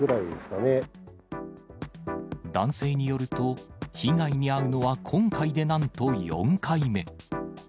男性によると、被害に遭うのは今回でなんと４回目。